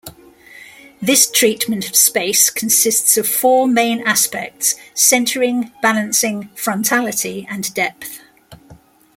This treatment of space consists of four main aspects: centering, balancing, frontality, and depth.